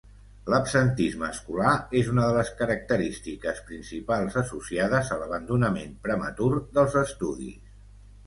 L'absentisme escolar és una de les característiques principals associades a l'abandonament prematur dels estudis.